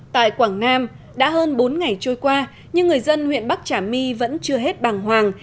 tại quảng nam đã hơn bốn ngày trôi qua nhưng người dân huyện bắc trà my vẫn chưa hết bàng hoàng